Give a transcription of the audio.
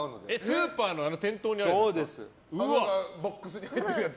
スーパーの店頭にあるやつ？